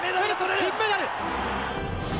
金メダル。